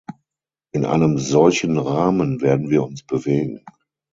In einem solchen Rahmen werden wir uns bewegen.